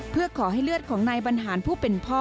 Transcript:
เพื่อขอให้เลือดของนายบรรหารผู้เป็นพ่อ